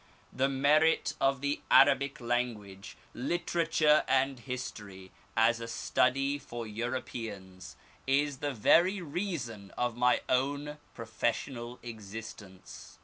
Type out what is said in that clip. The merit of the Arabic language, literature, and history, as a study for Europeans, is the very reason of my own professorial existence.